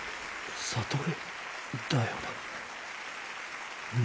悟だよな？